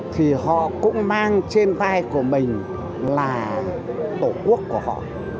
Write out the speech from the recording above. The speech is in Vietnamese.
thì họ cũng mang trên vai của mình là tổ quốc của họ